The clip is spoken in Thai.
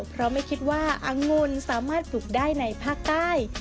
เพราะไม่คิดว่าอังุลสามารถปลูกได้ในภาคใต้